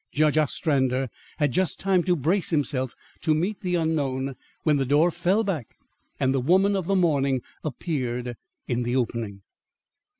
Judge Ostrander had just time to brace himself to meet the unknown, when the door fell back and the woman of the morning appeared in the opening.